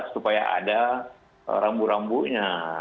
supaya ada rambu rambunya